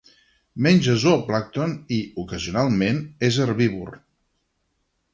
Menja zooplàncton i, ocasionalment, és herbívor.